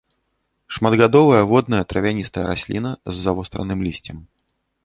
Шматгадовая водная травяністая расліна з завостранымі лісцем.